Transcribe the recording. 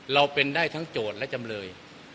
เราเป็นได้ทั้งโจทย์และจำเลย